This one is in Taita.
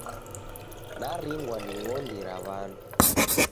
Naringwa ni ng'ondi ra w'andu.